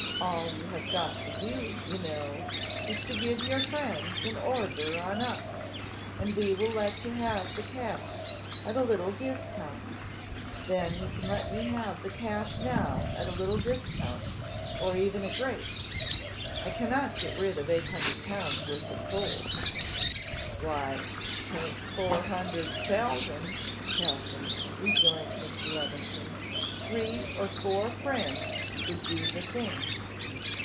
All you have got to do, you know, is to give your friends an order on us, and we will let you have cash at a little discount.' 'Then you can let me have the cash now at a little discount, or even a great; I cannot get rid of 800L. worth of coals.' 'Why, 'tayn't four hundred chaldron, Captin,' rejoined Mr. Levison. 'Three or four friends would do the thing.